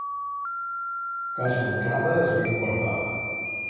Casa honrada és ben guardada.